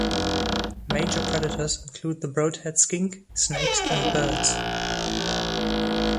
Major predators include the broadhead skink, snakes and birds.